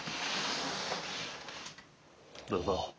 どうぞ。